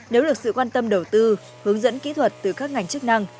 nếu được sự quan tâm đầu tư hướng dẫn kỹ thuật từ các ngành chức năng